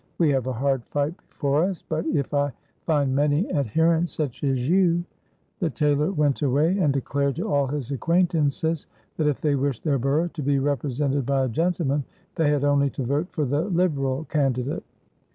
"We have a hard fight before us, but if I find many adherents such as you" The tailor went away and declared to all his acquaintances that if they wished their borough to be represented by a gentleman, they had only to vote for the Liberal candidate.